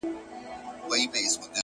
څښل مو تويول مو شرابونه د جلال ـ